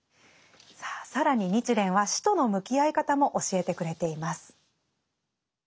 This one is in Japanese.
さあ更に日蓮は死との向き合い方も教えてくれています。